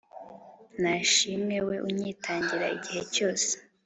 nashimwe we unyitangira igihe cyose